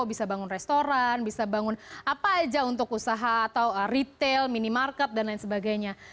bisa bangun restoran bisa bangun apa aja untuk usaha atau retail minimarket dan lain sebagainya